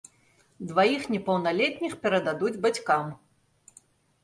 Дваіх непаўналетніх перададуць бацькам.